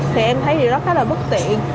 thì em thấy điều đó khá là bất tiện